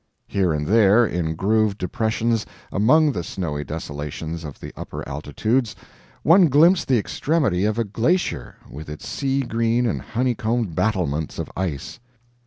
Here and there, in grooved depressions among the snowy desolations of the upper altitudes, one glimpsed the extremity of a glacier, with its sea green and honeycombed battlements of ice.